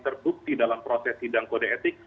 terbukti dalam proses sidang kode etik